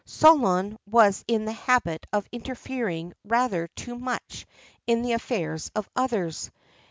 Solon was in the habit of interfering rather too much in the affairs of others.